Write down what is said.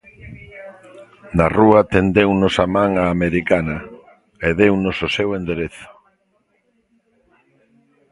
Na rúa tendeunos a man á americana, e deunos o seu enderezo.